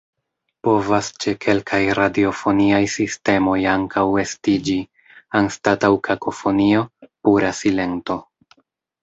Povas ĉe kelkaj radiofoniaj sistemoj ankaŭ estiĝi, anstataŭ kakofonio, pura silento.